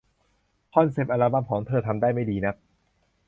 คอนเซ็ปต์อัลบั้มของเธอทำได้ไม่ดีนัก